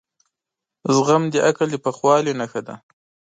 زغم د عقل د پخوالي نښه ده.